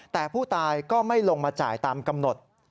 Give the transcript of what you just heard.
แต่ผู้ตายก็ไม่ลงมาจ่ายตามกำหนด